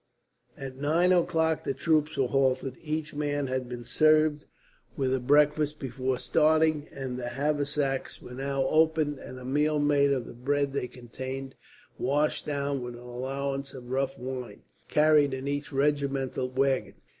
At nine o'clock the troops were halted. Each man had been served with a breakfast, before starting; and the haversacks were now opened, and a meal made of the bread they contained, washed down with an allowance of rough wine, carried in each regimental waggon.